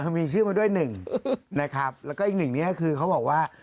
มีชื่นด้วยหนึ่งและก็อีกหนึ่งนี่คือเขาบอกว่า